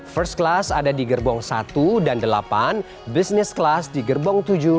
first class ada di gerbong satu dan delapan business class di gerbong tujuh